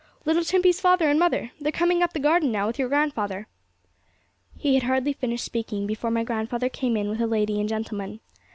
'Little Timpey's father and mother; they are coming up the garden now with your grandfather! He had hardly finished speaking before my grandfather came in with a lady and gentleman.